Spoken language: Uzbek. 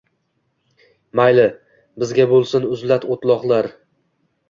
Mayli, bizga bo’lsin uzlat o’tloqlar